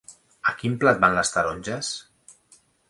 A quin plat van les taronges?